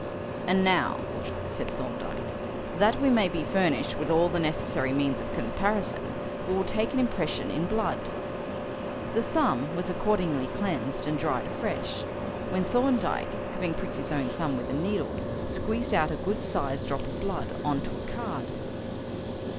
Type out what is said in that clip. "And now," said Thorndyke, "that we may be furnished with all the necessary means of comparison, we will take an impression in blood." The thumb was accordingly cleansed and dried afresh, when Thorndyke, having pricked his own thumb with a needle, squeezed out a good sized drop of blood on to a card.